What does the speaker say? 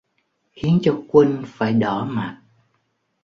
Khiến cho quân phải đỏ mặt